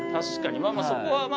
まあまあそこは一応。